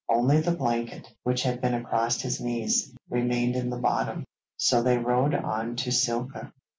Only the blanket, which had been across his knees, remained in the bottom. So they rowed on to Silka.